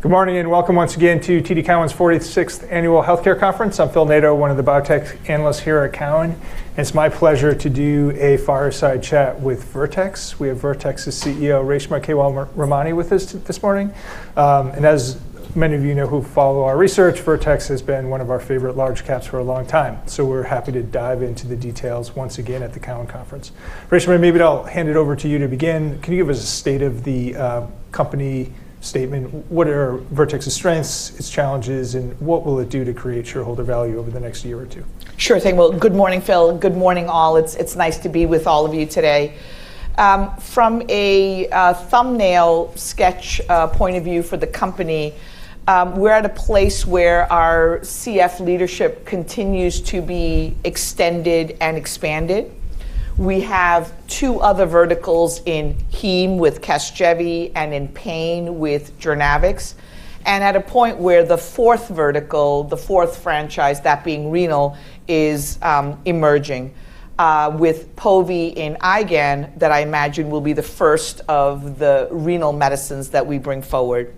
Good morning, and welcome once again to TD Cowen's 46th Annual Healthcare Conference. I'm Phil Nadeau, one of the Biotech Analyst here at Cowen, and it's my pleasure to do a fireside chat with Vertex. We have Vertex's CEO, Reshma Kewalramani, with us this morning. And as many of you know who follow our research, Vertex has been one of our favorite large caps for a long time. So we're happy to dive into the details once again at the Cowen Conference. Reshma, maybe I'll hand it over to you to begin. Can you give us a state-of-the-company statement? What are Vertex's strengths, its challenges, and what will it do to create shareholder value over the next year or two? Sure thing. Well, good morning, Phil. Good morning, all. It's nice to be with all of you today. From a thumbnail sketch point of view for the company, we're at a place where our CF leadership continues to be extended and expanded. We have two other verticals in heme with CASGEVY and in pain with JOURNAVX. At a point where the fourth vertical, the fourth franchise, that being renal, is emerging with pove and IgAN that I imagine will be the first of the renal medicines that we bring forward.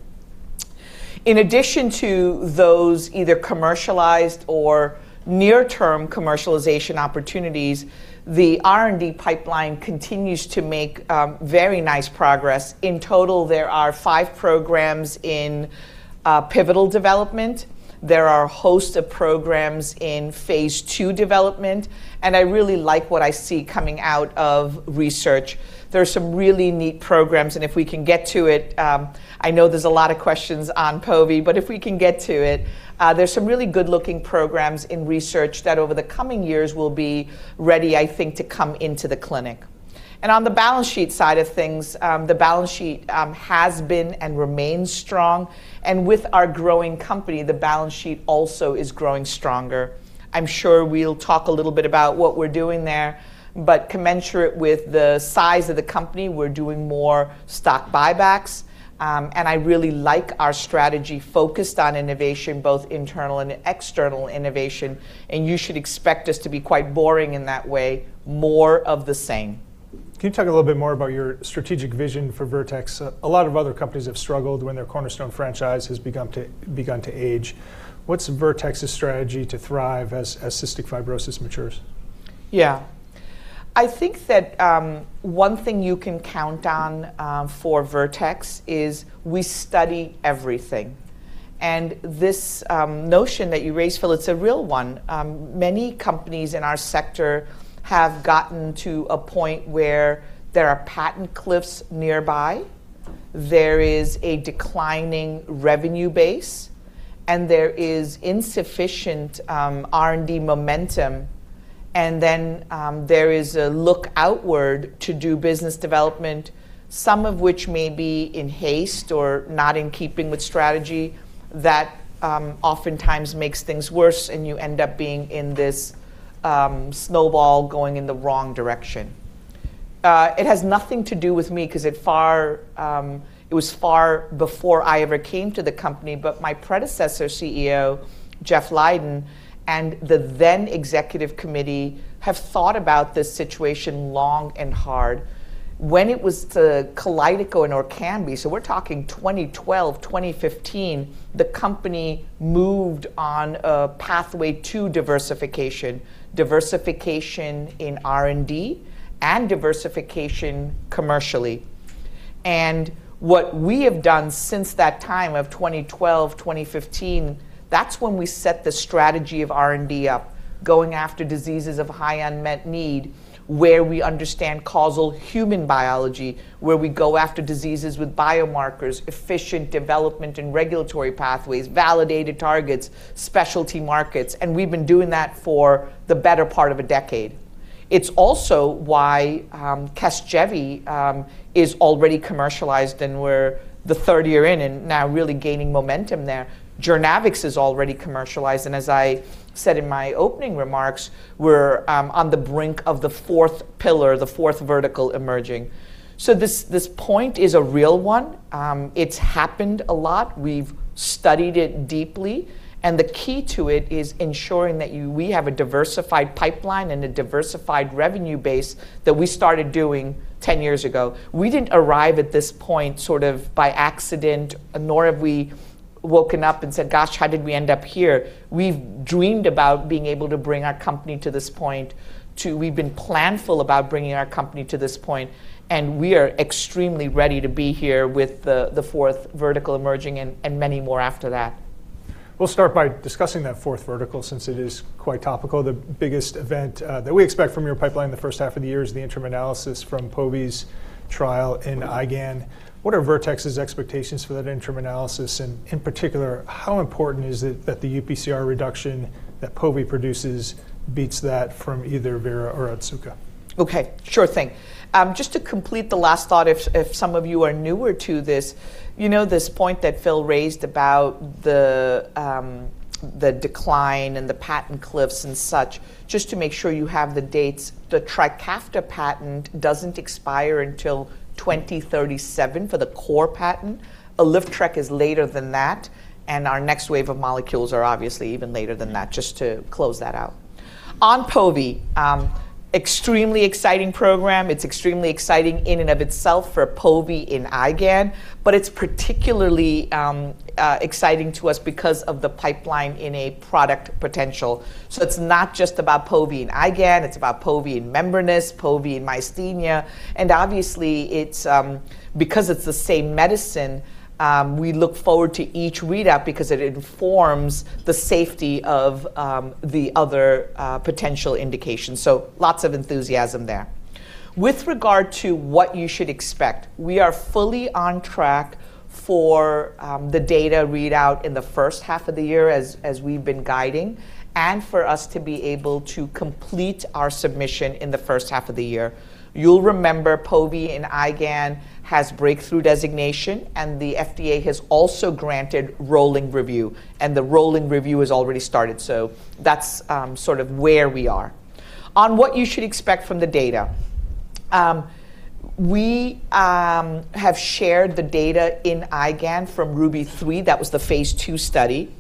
In addition to those either commercialized or near-term commercialization opportunities, the R&D pipeline continues to make very nice progress. In total, there are five programs in pivotal development, there are a host of programs in phase II development, and I really like what I see coming out of research. There are some really neat programs, and if we can get to it, I know there's a lot of questions on pove, but if we can get to it, there's some really good-looking programs in research that over the coming years will be ready, I think, to come into the clinic. On the balance sheet side of things, the balance sheet has been and remains strong, and with our growing company, the balance sheet also is growing stronger. I'm sure we'll talk a little bit about what we're doing there, but commensurate with the size of the company, we're doing more stock buybacks. I really like our strategy focused on innovation, both internal and external innovation, you should expect us to be quite boring in that way, more of the same. Can you talk a little bit more about your strategic vision for Vertex? A lot of other companies have struggled when their cornerstone franchise has begun to age. What's Vertex's strategy to thrive as cystic fibrosis matures? Yeah. I think that one thing you can count on for Vertex is we study everything. This notion that you raised, Phil, it's a real one. Many companies in our sector have gotten to a point where there are patent cliffs nearby, there is a declining revenue base, and there is insufficient R&D momentum, then there is a look outward to do business development, some of which may be in haste or not in keeping with strategy that oftentimes makes things worse, and you end up being in this snowball going in the wrong direction. It has nothing to do with me 'cause it was far before I ever came to the company, but my predecessor, CEO Jeff Leiden, and the then Executive Committee have thought about this situation long and hard. When it was to KALYDECO and ORKAMBI, so we're talking 2012, 2015, the company moved on a pathway to diversification. Diversification in R&D and diversification commercially. What we have done since that time of 2012, 2015, that's when we set the strategy of R&D up, going after diseases of high unmet need, where we understand causal human biology, where we go after diseases with biomarkers, efficient development and regulatory pathways, validated targets, specialty markets, and we've been doing that for the better part of a decade. It's also why CASGEVY is already commercialized, and we're the third year in and now really gaining momentum there. JOURNAVX is already commercialized, and as I said in my opening remarks, we're on the brink of the fourth pillar, the fourth vertical emerging. This point is a real one. It's happened a lot. We've studied it deeply, and the key to it is ensuring that we have a diversified pipeline and a diversified revenue base that we started doing 10 years ago. We didn't arrive at this point sort of by accident, nor have we woken up and said, "Gosh, how did we end up here?" We've dreamed about being able to bring our company to this point, we've been planful about bringing our company to this point, and we are extremely ready to be here with the fourth vertical emerging and many more after that. We'll start by discussing that fourth vertical since it is quite topical. The biggest event that we expect from your pipeline the first half of the year is the interim analysis from pove's trial in IgAN. What are Vertex's expectations for that interim analysis, and in particular, how important is it that the UPCR reduction that pove produces beats that from either Vera or Otsuka? Okay, sure thing. Just to complete the last thought, if some of you are newer to this, you know this point that Phil raised about the decline and the patent cliffs and such, just to make sure you have the dates, the TRIKAFTA patent doesn't expire until 2037 for the core patent. ALYFTREK is later than that, our next wave of molecules are obviously even later than that, just to close that out. On pove. Extremely exciting program. It's extremely exciting in and of itself for pove in IgAN, but it's particularly exciting to us because of the pipeline in a product potential. It's not just about pove in IgAN, it's about pove in membranous, pove in myasthenia, and obviously it's because it's the same medicine, we look forward to each readout because it informs the safety of the other potential indications. Lots of enthusiasm there. With regard to what you should expect, we are fully on track for the data readout in the first half of the year as we've been guiding, and for us to be able to complete our submission in the first half of the year. You'll remember pove and IgAN has breakthrough designation, and the FDA has also granted rolling review, and the rolling review has already started. That's sort of where we are. On what you should expect from the data, we have shared the data in IgAN from RUBY-3. That was the phase II study.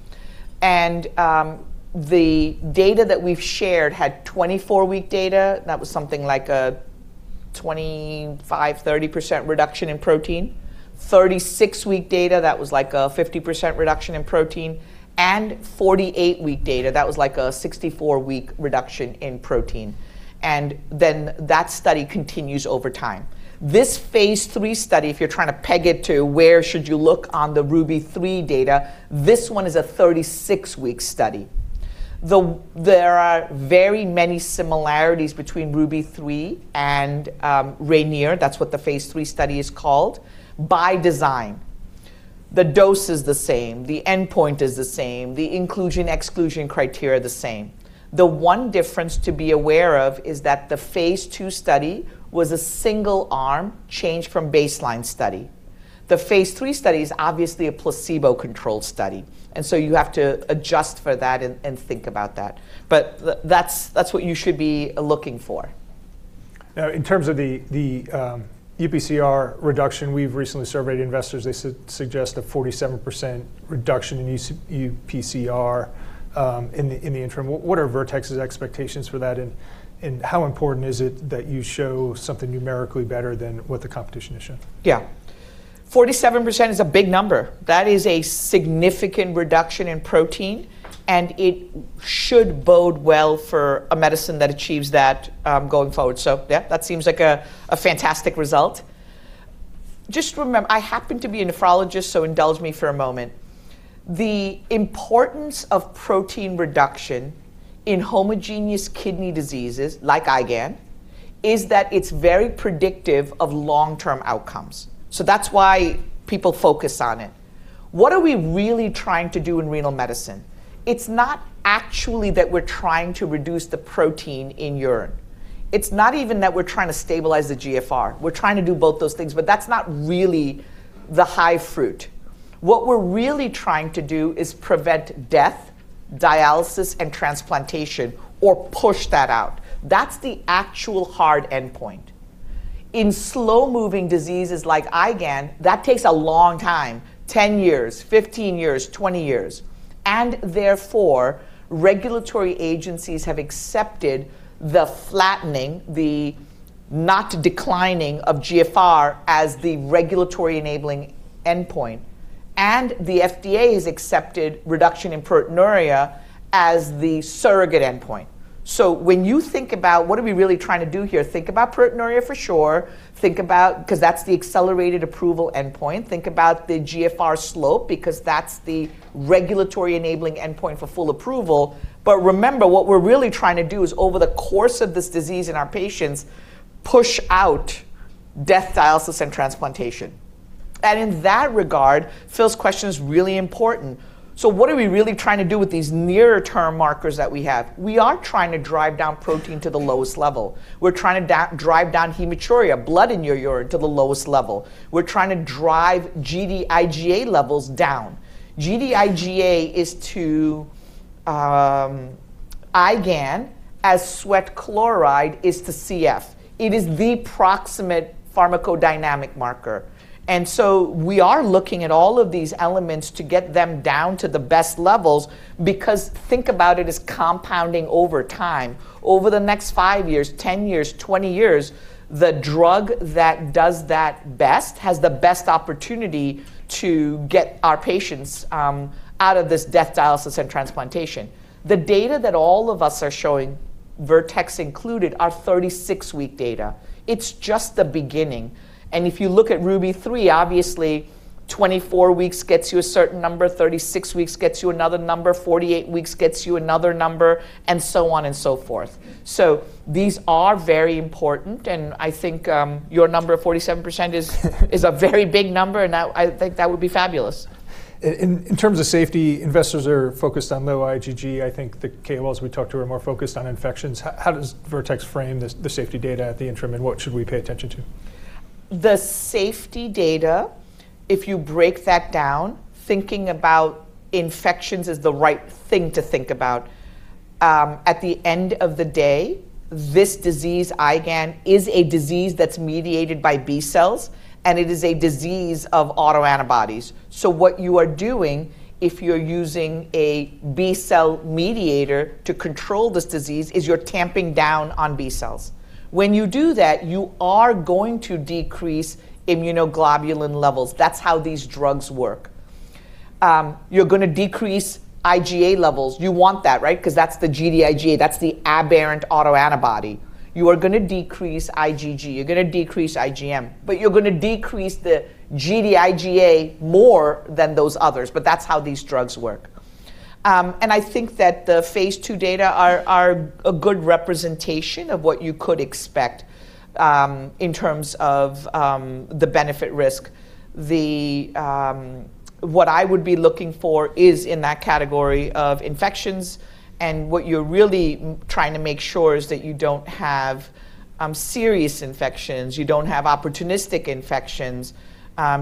The data that we've shared had 24-week data. That was something like a 25%, 30% reduction in protein. 36-week data, that was like a 50% reduction in protein, and 48-week data. That was like a 64-week reduction in protein. That study continues over time. This phase III study, if you're trying to peg it to where should you look on the RUBY-3 data, this one is a 36-week study. There are very many similarities between RUBY-3 and RAINIER, that's what the phase III study is called, by design. The dose is the same. The endpoint is the same. The inclusion, exclusion criteria, the same. The one difference to be aware of is that the phase II study was a single-arm change from baseline study. The phase III study is obviously a placebo-controlled study. You have to adjust for that and think about that. That's what you should be looking for. In terms of the UPCR reduction, we've recently surveyed investors. They suggest a 47% reduction in UPCR in the interim. What are Vertex's expectations for that, and how important is it that you show something numerically better than what the competition has shown? Yeah. 47% is a big number. That is a significant reduction in protein, and it should bode well for a medicine that achieves that, going forward. Yeah, that seems like a fantastic result. Just remember, I happen to be a nephrologist, so indulge me for a moment. The importance of protein reduction in homogeneous kidney diseases, like IgAN, is that it's very predictive of long-term outcomes. That's why people focus on it. What are we really trying to do in renal medicine? It's not actually that we're trying to reduce the protein in urine. It's not even that we're trying to stabilize the GFR. We're trying to do both those things, but that's not really the high fruit. What we're really trying to do is prevent death, dialysis, and transplantation, or push that out. That's the actual hard endpoint. In slow-moving diseases like IgAN, that takes a long time, 10 years, 15 years, 20 years, therefore, regulatory agencies have accepted the flattening, the not declining of GFR as the regulatory enabling endpoint, and the FDA has accepted reduction in proteinuria as the surrogate endpoint. When you think about what are we really trying to do here, think about proteinuria for sure. 'cause that's the accelerated approval endpoint. Think about the GFR slope because that's the regulatory enabling endpoint for full approval. Remember, what we're really trying to do is over the course of this disease in our patients, push out death, dialysis, and transplantation. In that regard, Phil's question is really important. What are we really trying to do with these nearer term markers that we have? We are trying to drive down protein to the lowest level. We're trying to drive down hematuria, blood in your urine, to the lowest level. We're trying to drive Gd-IgA levels down. Gd-IgA is to IgAN as sweat chloride is to CF. It is the proximate pharmacodynamic marker. We are looking at all of these elements to get them down to the best levels because think about it as compounding over time. Over the next five years, 10 years, 20 years, the drug that does that best has the best opportunity to get our patients out of this death, dialysis, and transplantation. The data that all of us are showing, Vertex included, are 36-week data. It's just the beginning. If you look at RUBY-3, obviously, 24 weeks gets you a certain number, 36 weeks gets you another number, 48 weeks gets you another number, and so on and so forth. These are very important, and I think, your number of 47% is a very big number, and I think that would be fabulous. In terms of safety, investors are focused on low IgG. I think the KOLs we talked to are more focused on infections. How does Vertex frame the safety data at the interim, and what should we pay attention to? The safety data. If you break that down, thinking about infections is the right thing to think about. At the end of the day, this disease, IgAN, is a disease that's mediated by B cells, and it is a disease of autoantibodies. What you are doing if you're using a B cell mediator to control this disease is you're tamping down on B cells. When you do that, you are going to decrease immunoglobulin levels. That's how these drugs work. You're gonna decrease IgA levels. You want that, right? 'Cause that's the Gd-IgA, that's the aberrant autoantibody. You are gonna decrease IgG, you're gonna decrease IgM. You're gonna decrease the Gd-IgA more than those others, but that's how these drugs work. I think that the phase II data are a good representation of what you could expect in terms of the benefit/risk. The what I would be looking for is in that category of infections, and what you're really trying to make sure is that you don't have serious infections. You don't have opportunistic infections.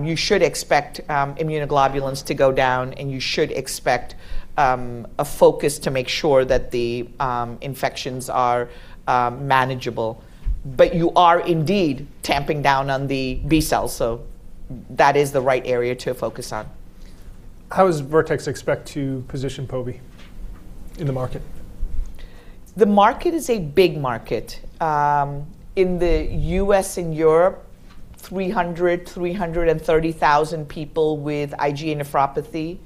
You should expect immunoglobulins to go down, and you should expect a focus to make sure that the infections are manageable. You are indeed tamping down on the B cells, so that is the right area to focus on. How does Vertex expect to position pove in the market? The market is a big market. In the U.S. and Europe, 330,000 people with IgA nephropathy.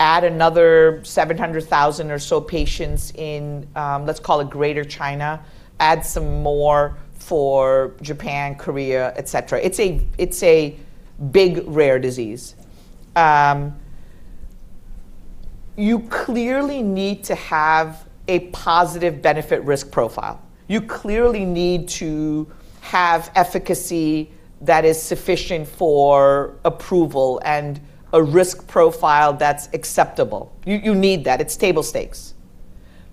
Add another 700,000 or so patients in, let's call it greater China. Add some more for Japan, Korea, et cetera. It's a big, rare disease. You clearly need to have a positive benefit/risk profile. You clearly need to have efficacy that is sufficient for approval and a risk profile that's acceptable. You need that. It's table stakes.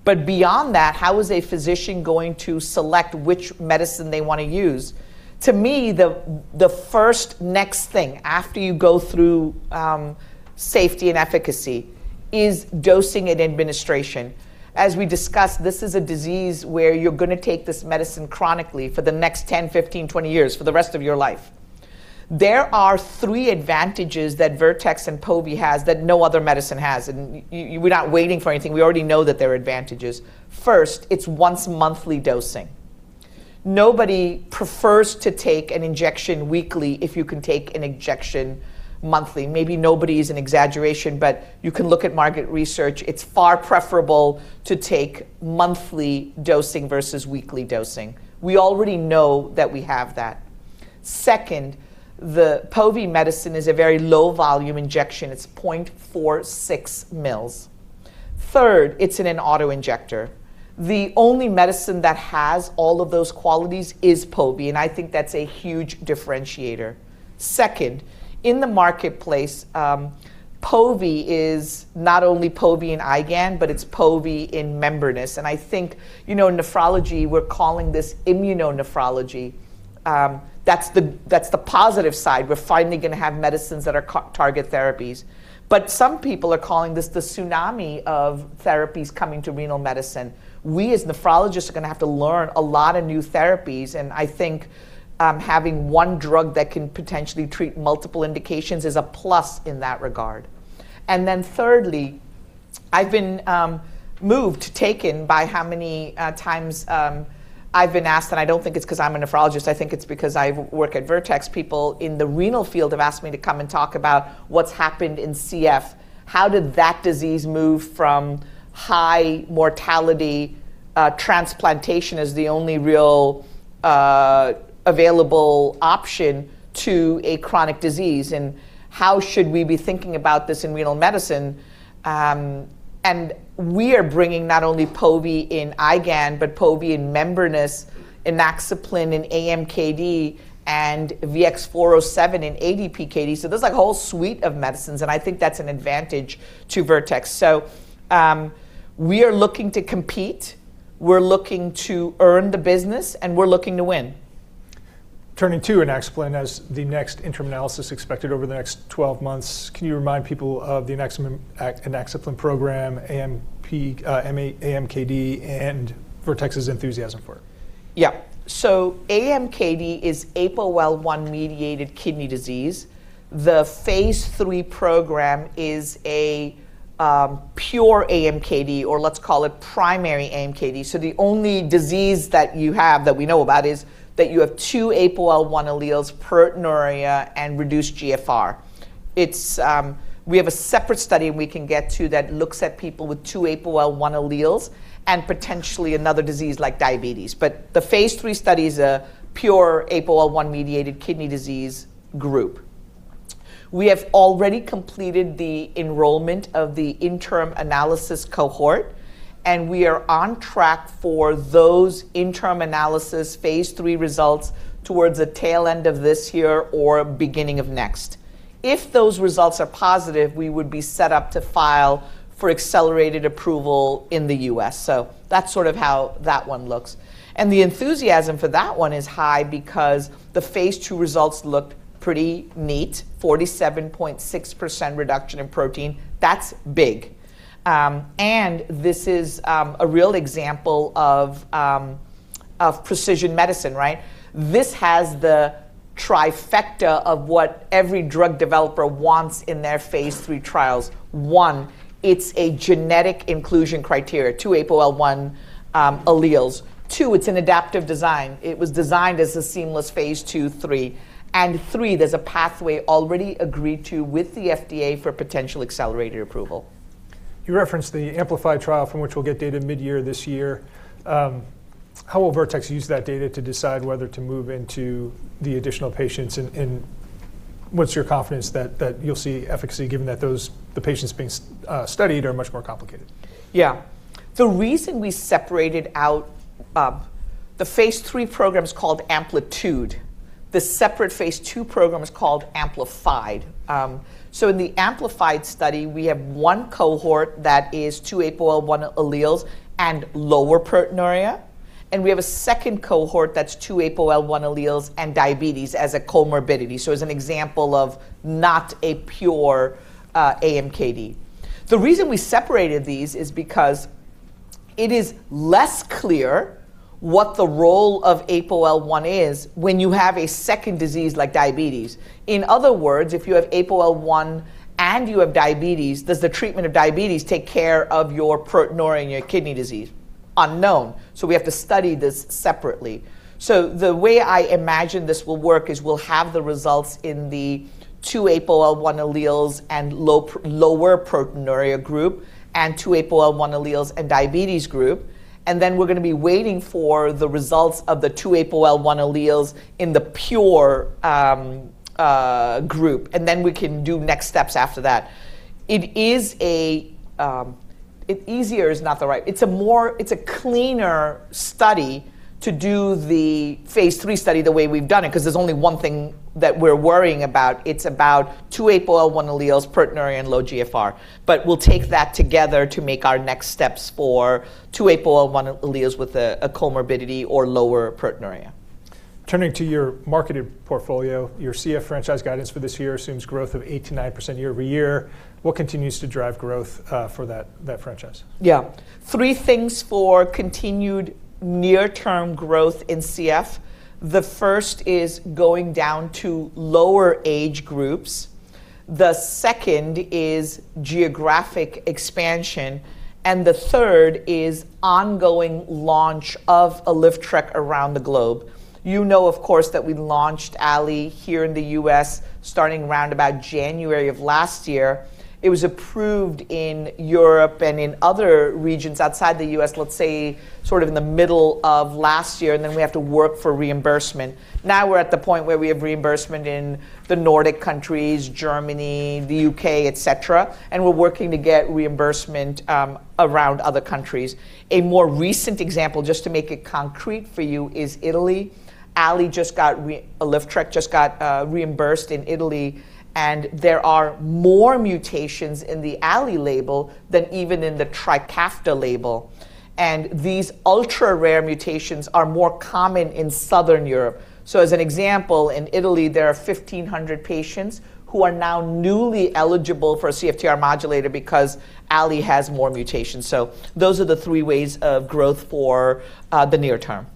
Beyond that, how is a physician going to select which medicine they wanna use? To me, the first next thing after you go through, safety and efficacy is dosing and administration. As we discussed, this is a disease where you're gonna take this medicine chronically for the next 10, 15, 20 years, for the rest of your life. There are three advantages that Vertex and pove has that no other medicine has. We're not waiting for anything. We already know that there are advantages. First, it's once-monthly dosing. Nobody prefers to take an injection weekly if you can take an injection monthly. Maybe nobody is an exaggeration, but you can look at market research. It's far preferable to take monthly dosing versus weekly dosing. We already know that we have that. Second, the pove medicine is a very low-volume injection. It's 0.46 mL. Third, it's in an auto-injector. The only medicine that has all of those qualities is pove. I think that's a huge differentiator. Second, in the marketplace, pove is not only pove in IgAN, but it's pove in membranous. I think, you know, in nephrology, we're calling this immunonephrology. That's the positive side. We're finally gonna have medicines that are target therapies. Some people are calling this the tsunami of therapies coming to renal medicine. We as nephrologists are gonna have to learn a lot of new therapies, I think having one drug that can potentially treat multiple indications is a plus in that regard. Thirdly, I've been moved, taken by how many times I've been asked, I don't think it's 'cause I'm a nephrologist. I think it's because I work at Vertex. People in the renal field have asked me to come and talk about what's happened in CF. How did that disease move from high mortality, transplantation as the only real available option to a chronic disease, how should we be thinking about this in renal medicine? We are bringing not only pove in IgAN, but pove in membranous, in [maxipleen], in AMKD, and VX-407 in ADPKD. There's like a whole suite of medicines, and I think that's an advantage to Vertex. We are looking to compete, we're looking to earn the business, and we're looking to win. Turning to inaxaplin as the next interim analysis expected over the next 12 months, can you remind people of the inaxaplin program, AMKD, and Vertex's enthusiasm for it? Yeah. AMKD is APOL1-mediated kidney disease. The phase III program is a pure AMKD, or let's call it primary AMKD. The only disease that you have that we know about is that you have two APOL1 alleles, proteinuria, and reduced GFR. It's, we have a separate study we can get to that looks at people with two APOL1 alleles and potentially another disease like diabetes. The phase III study is a pure APOL1-mediated kidney disease group. We have already completed the enrollment of the interim analysis cohort. We are on track for those interim analysis phase III results towards the tail end of this year or beginning of next. If those results are positive, we would be set up to file for accelerated approval in the U.S. That's sort of how that one looks. The enthusiasm for that one is high because the phase II results look pretty neat, 47.6% reduction in protein. That's big. This is a real example of precision medicine, right? This has the trifecta of what every drug developer wants in their phase III trials. One, it's a genetic inclusion criteria, two APOL1 alleles. Two, it's an adaptive design. It was designed as a seamless phase II/III. Three, there's a pathway already agreed to with the FDA for potential accelerated approval. You referenced the AMPLITUDE trial from which we'll get data mid-year this year. How will Vertex use that data to decide whether to move into the additional patients and what's your confidence that you'll see efficacy given that the patients being studied are much more complicated? The reason we separated out, the phase III program is called AMPLITUDE. The separate phase II program is called AMPLIFIED. In the AMPLIFIED study, we have one cohort that is two APOL1 alleles and lower proteinuria, and we have a second cohort that's two APOL1 alleles and diabetes as a comorbidity, so as an example of not a pure AMKD. The reason we separated these is because it is less clear what the role of pove is when you have a second disease like diabetes. In other words, if you have pove and you have diabetes, does the treatment of diabetes take care of your proteinuria and your kidney disease? Unknown. We have to study this separately. The way I imagine this will work is we'll have the results in the two APOL1 alleles and low lower proteinuria group and two APOL1 alleles and diabetes group, and then we're gonna be waiting for the results of the two APOL1 alleles in the pure group, and then we can do next steps after that. It is a. It's a cleaner study to do the phase III study the way we've done it 'cause there's only one thing that we're worrying about. It's about two APOL1 alleles, proteinuria, and low GFR. We'll take that together to make our next steps for two APOL1 alleles with a comorbidity or lower proteinuria. Turning to your marketed portfolio, your CF franchise guidance for this year assumes growth of 8%-9% year-over-year. What continues to drive growth for that franchise? Yeah. Three things for continued near-term growth in CF. The first is going down to lower age groups. The second is geographic expansion. The third is ongoing launch of ALYFTREK around the globe. You know, of course, that we launched ALY here in the U.S. starting around about January of last year. It was approved in Europe and in other regions outside the U.S., let's say sort of in the middle of last year, and then we have to work for reimbursement. Now, we're at the point where we have reimbursement in the Nordic countries, Germany, the U.K., et cetera, and we're working to get reimbursement around other countries. A more recent example, just to make it concrete for you, is Italy. ALYFTREK just got reimbursed in Italy, and there are more mutations in the ALY label than even in the TRIKAFTA label. These ultra-rare mutations are more common in Southern Europe. As an example, in Italy, there are 1,500 patients who are now newly eligible for a CFTR modulator because ALY has more mutations. Those are the three ways of growth for the near term.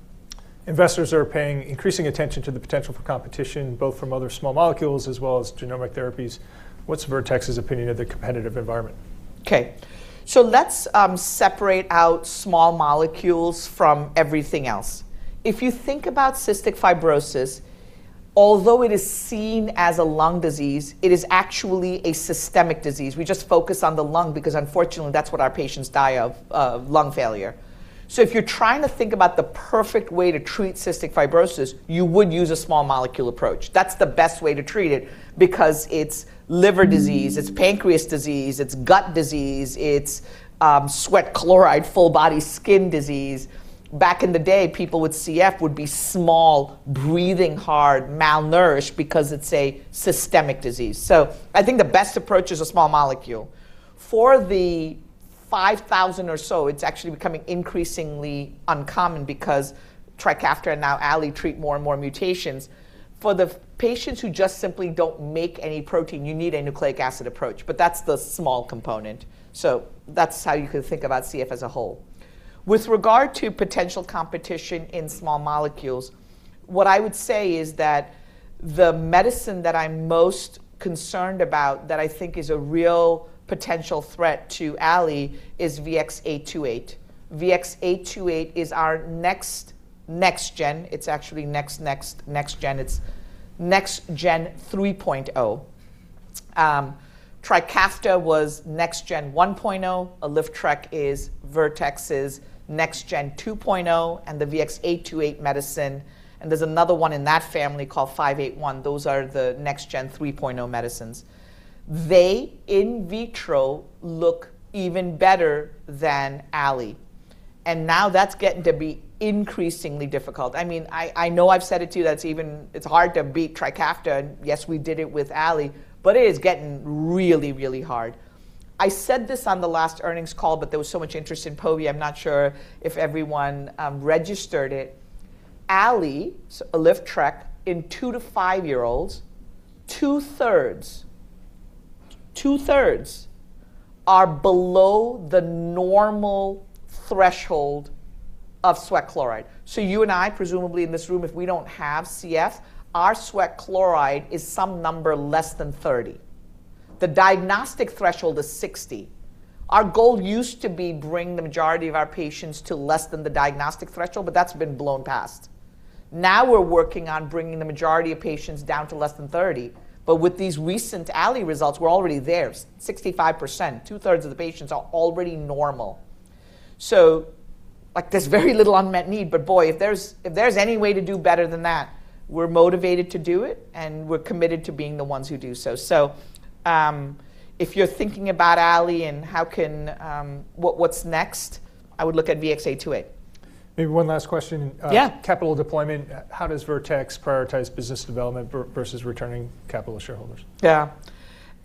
Investors are paying increasing attention to the potential for competition, both from other small molecules as well as genomic therapies. What's Vertex's opinion of the competitive environment? Okay. Let's separate out small molecules from everything else. If you think about cystic fibrosis, although it is seen as a lung disease, it is actually a systemic disease. We just focus on the lung because unfortunately, that's what our patients die of lung failure. If you're trying to think about the perfect way to treat cystic fibrosis, you would use a small molecule approach. That's the best way to treat it because it's liver disease, it's pancreas disease, it's gut disease, it's sweat chloride, full-body skin disease. Back in the day, people with CF would be small, breathing hard, malnourished because it's a systemic disease. I think the best approach is a small molecule. For the 5,000 or so, it's actually becoming increasingly uncommon because TRIKAFTA and now ALYY treat more and more mutations. For the patients who just simply don't make any protein, you need a nucleic acid approach, but that's the small component. That's how you can think about CF as a whole. With regard to potential competition in small molecules, what I would say is that the medicine that I'm most concerned about that I think is a real potential threat to ALY is VX-828. VX-828 is our next gen. It's actually next, next gen. It's next gen 3.0. TRIKAFTA was next gen 1.0. ALYFTREK is Vertex's next-gen 2.0. The VX-828 medicine, and there's another one in that family called VX-581. Those are the next-gen 3.0 medicines. They, in vitro, look even better than ALY. Now that's getting to be increasingly difficult. I mean, I know I've said it to you, that's even, it's hard to beat TRIKAFTA, and yes, we did it with ALY, but it is getting really, really hard. I said this on the last earnings call, there was so much interest in pove, I'm not sure if everyone registered it. ALY, so ALY, in two to five-year-olds, 2/3, 2/3 are below the normal threshold of sweat chloride. You and I, presumably in this room, if we don't have CF, our sweat chloride is some number less than 30. The diagnostic threshold is 60. Our goal used to be bring the majority of our patients to less than the diagnostic threshold, but that's been blown past. Now we're working on bringing the majority of patients down to less than 30. With these recent ALY results, we're already there. 65%, 2/3 of the patients are already normal. Like there's very little unmet need, but boy, if there's any way to do better than that, we're motivated to do it, and we're committed to being the ones who do so. If you're thinking about ALYFTREK and how can, what's next? I would look at VX-828. Maybe one last question. Yeah. Capital deployment. How does Vertex prioritize business development versus returning capital to shareholders? Yeah.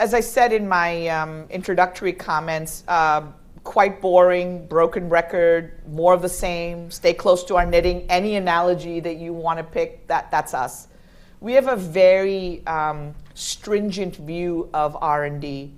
As I said in my introductory comments, quite boring, broken record, more of the same, stay close to our knitting. Any analogy that you wanna pick, that's us. We have a very stringent view of R&D.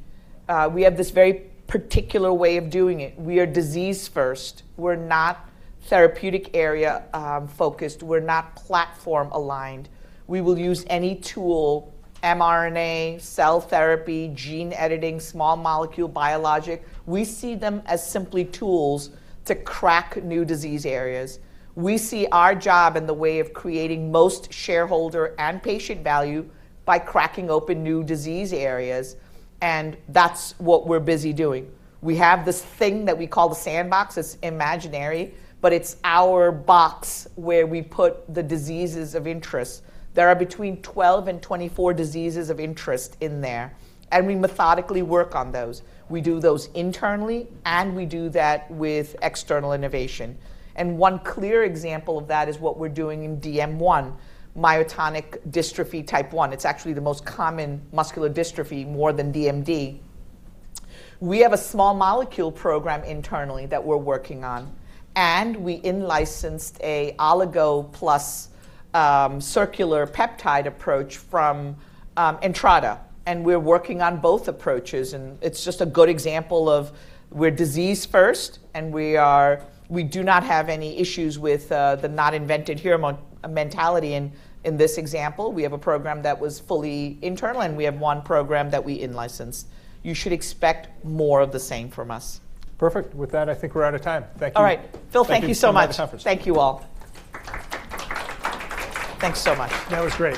We have this very particular way of doing it. We are disease first. We're not therapeutic area-focused, we're not platform aligned. We will use any tool, mRNA, cell therapy, gene editing, small molecule biologic. We see them as simply tools to crack new disease areas. We see our job in the way of creating most shareholder and patient value by cracking open new disease areas. That's what we're busy doing. We have this thing that we call the sandbox. It's imaginary, but it's our box where we put the diseases of interest. There are between 12 and 24 diseases of interest in there, and we methodically work on those. We do those internally, and we do that with external innovation. One clear example of that is what we're doing in DM1, myotonic dystrophy type 1. It's actually the most common muscular dystrophy, more than DMD. We have a small molecule program internally that we're working on, and we in-licensed a oligo plus circular peptide approach from Entrada, and we're working on both approaches and it's just a good example of we're disease first and we are, we do not have any issues with the not invented here mentality in this example. We have a program that was fully internal and we have one program that we in-licensed. You should expect more of the same from us. Perfect. With that, I think we're out of time. Thank you. All right. Phil, thank you so much. Thank you for having the conference. Thank you, all. Thanks so much. No, it was great.